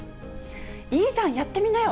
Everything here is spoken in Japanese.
いいじゃん、やってみなよ。